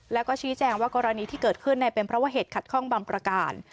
แล้วก็ชี้แจงว่ากรณีที่เกิดขึ้นเป็นเพราะว่าเหตุขัดข้องบางประการ